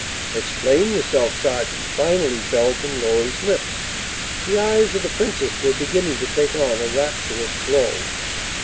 "Explain yourself, sergeant!" finally fell from Lorry's lips. The eyes of the princess were beginning to take on a rapturous glow.